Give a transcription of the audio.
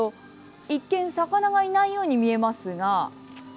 一見、魚がいないように見えますが。